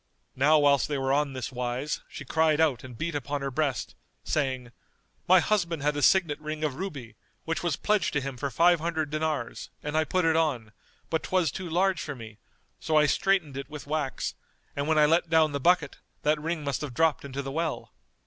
Now whilst they were on this wise, she cried out and beat upon her breast, saying, "My husband had a signet ring of ruby, which was pledged to him for five hundred dinars, and I put it on; but 'twas too large for me, so I straitened it with wax, and when I let down the bucket,[FN#231] that ring must have dropped into the well.